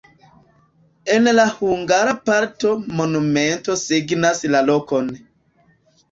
En la hungara parto monumento signas la lokon.